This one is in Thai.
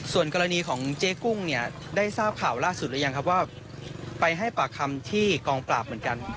ส่วนกรณีของเจ๊กุ้งเนี่ยได้ทราบข่าวล่าสุดหรือยังครับว่าไปให้ปากคำที่กองปราบเหมือนกัน